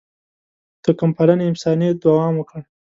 توکم پالنې افسانې دوام وکړ.